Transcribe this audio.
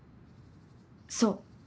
そう。